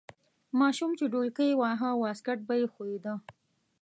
ماشوم چې ډولک یې واهه واسکټ به یې ښویده.